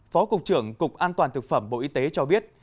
phó cục trưởng cục an toàn thực phẩm bộ y tế cho biết